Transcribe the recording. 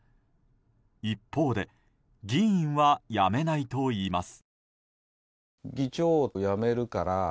一方で議員は辞めないといいます。